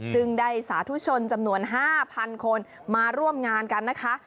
ซึ่งได้สาธุชนจำนวน๕๐๐๐คนมาร่วมงานกันนะคะ